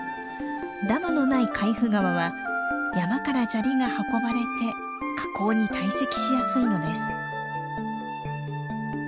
ダムのない海部川は山から砂利が運ばれて河口に堆積しやすいのです。